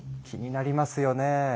気になりますよねえ